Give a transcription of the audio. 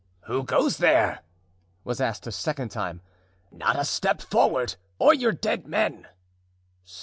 "Who goes there?" was asked a second time. "Not a step forward, or you're dead men."